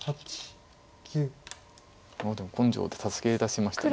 でも根性で助け出しました。